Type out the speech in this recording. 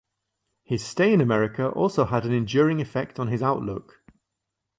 His stay in America also had an enduring effect on his outlook.